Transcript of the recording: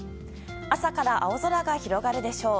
朝から青空が広がるでしょう。